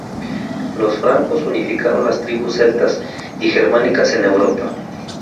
Los francos unificaron las tribus celtas y germánicas en Europa.